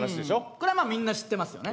これはまあみんな知ってますよね。